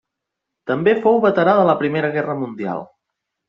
També fou veterà de la Primera Guerra Mundial.